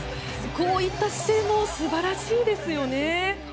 こういった姿勢も素晴らしいですよね。